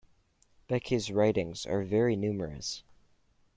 Beke's writings are very numerous.